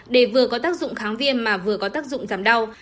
để vừa có tác dụng kháng viêm mà vừa có tác dụng giảm đau